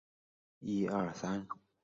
出身于福冈县。